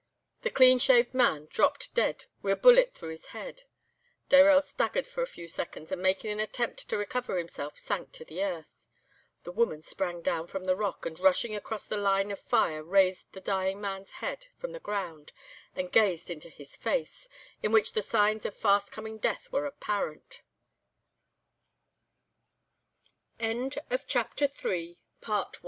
"The clean shaved man dropped dead, wi' a bullet through his head; Dayrell staggered for a few seconds and making an attempt to recover himself, sank to the earth. The woman sprang down from the rock, and rushing across the line of fire raised the dying man's head from the ground and gazed into his face, in which the signs of f